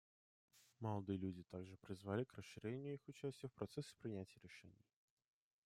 Молодые люди также призвали к расширению их участия в процессе принятия решений.